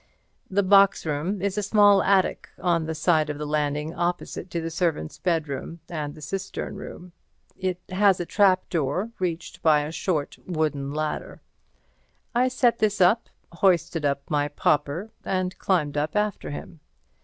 The box room is a small attic on the side of the landing opposite to the servants' bedroom and the cistern room. It has a trapdoor, reached by a short, wooden ladder. I set this up, hoisted up my pauper and climbed up after him.